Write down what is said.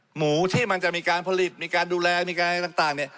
หมูที่มันจะมีการผลิตมีการดูแลมีการอะไรต่างเนี่ย